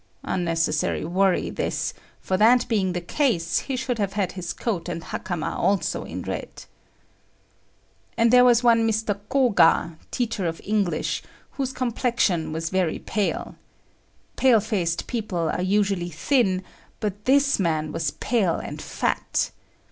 Unnecessary worry, this, for that being the case, he should have had his coat and hakama also in red. And there was one Mr. Koga, teacher of English, whose complexion was very pale. Pale faced people are usually thin, but this man was pale and fat.